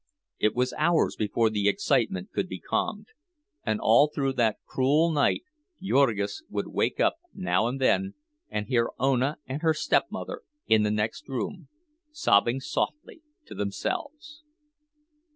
It was hours before the excitement could be calmed; and all through that cruel night Jurgis would wake up now and then and hear Ona and her stepmother in the next room, sobbing softly to themselves.